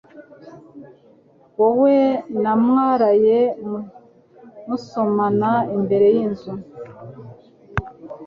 Wowe na mwaraye musomana imbere yinzu